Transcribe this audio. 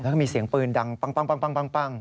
แล้วก็มีเสียงปืนดังปั้ง